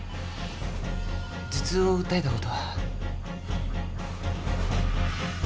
頭痛を訴えたことは？